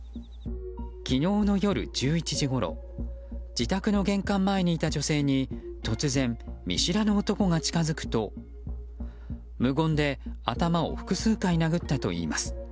昨日の夜１１時ごろ自宅の玄関前にいた女性に突然、見知らぬ男が近づくと無言で頭を複数回殴ったといいます。